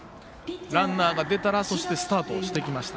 ランナーが出たらスタートをしてきました。